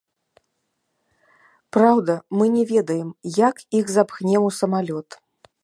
Праўда, мы не ведаем як іх запхнем у самалёт.